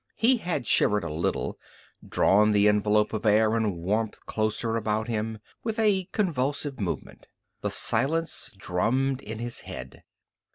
He had shivered a little, drawn the envelope of air and warmth closer about him, with a convulsive movement. The silence drummed in his head.